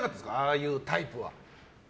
ああいうタイプは。